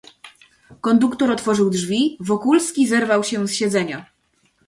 "Konduktor otworzył drzwi, Wokulski zerwał się z siedzenia."